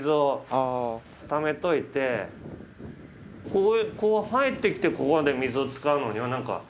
ここへこう入ってきてここで水を使うのには何か。